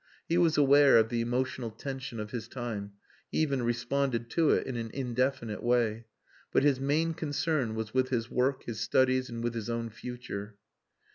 He was aware of the emotional tension of his time; he even responded to it in an indefinite way. But his main concern was with his work, his studies, and with his own future.